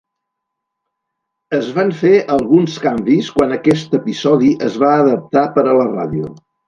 Es van fer alguns canvis quan aquest episodi es va adaptar per a la ràdio.